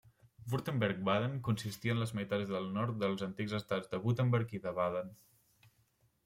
Württemberg-Baden consistia en les meitats del nord dels antics estats de Württemberg i de Baden.